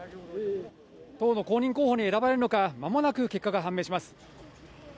党の公認候補に選ばれるのか、まもなく結果が判明します。